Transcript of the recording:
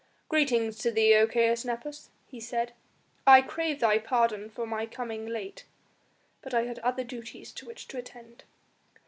"Greeting to thee, O Caius Nepos!" he said. "I crave thy pardon for my late coming, but I had other duties to which to attend."